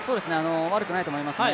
悪くないと思いますね。